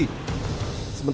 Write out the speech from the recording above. sementara di rumah tersebut